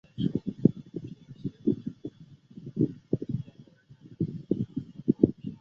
回报机制可以让网域管理员了解是否有第三者正在伪冒其网域身份寄出电邮。